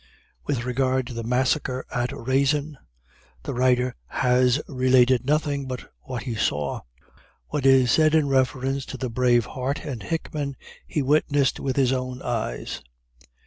With regard to the massacre at Raisin, the writer has related nothing but what he saw. What is said in reference to the brave Hart and Hickman, he witnessed with his own eyes.